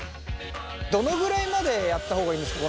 どのぐらいまでやった方がいいんですか